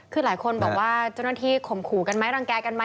คือหลายคนบอกว่าจทข่มขู่กันไหมร่างกายกันไหม